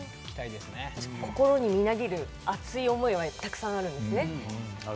心にみなぎる熱い思いがたくさんあるんですね。